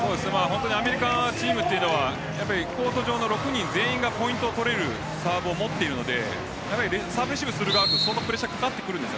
アメリカのチームというのはコート上の６人全員がポイントを取れるサーブを持っているのでサーブレシーブする側は相当プレッシャーがかかってくるんです。